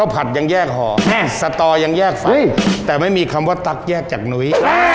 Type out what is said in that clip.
เพราะว่าตักแยกจากหนุ๊ย